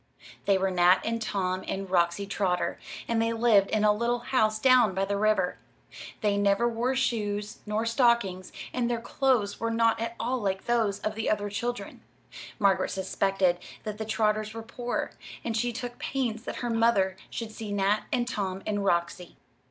They were Nat and Tom and Roxy Trotter, and they lived in a little house down by the river. They never wore shoes nor stockings, and their clothes were not at all like those of the other children. Margaret suspected that the Trotters were poor, and she took pains that her mother should see Nat and Tom and Roxy.